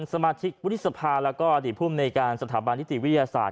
สมาชิกวุฒิสภาแล้วก็อดีตภูมิในการสถาบันนิติวิทยาศาสต